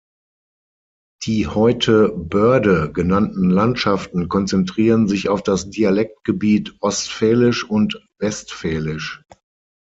Die heute "Börde" genannten Landschaften konzentrieren sich auf das Dialektgebiet Ostfälisch und Westfälisch.